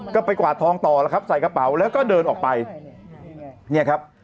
ก็ไปกวาดทองต่อแล้วครับใส่กระเป๋าแล้วก็เดินออกไปเนี่ยครับ